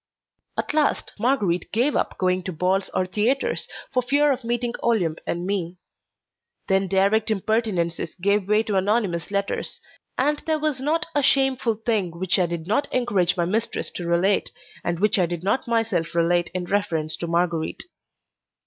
At last Marguerite gave up going to balls or theatres, for fear of meeting Olympe and me. Then direct impertinences gave way to anonymous letters, and there was not a shameful thing which I did not encourage my mistress to relate and which I did not myself relate in reference to Marguerite.